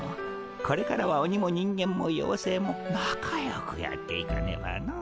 これからはオニも人間もようせいも仲よくやっていかねばの。